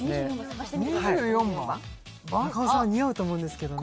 中尾さん似合うと思うんですけどね